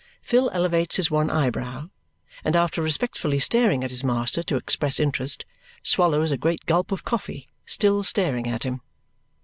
Phil elevates his one eyebrow, and after respectfully staring at his master to express interest, swallows a great gulp of coffee, still staring at him.